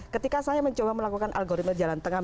ketika saya mencoba melakukan algoritma jalan tengah